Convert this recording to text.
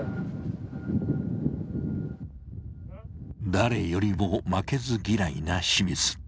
誰よりも負けず嫌いな清水。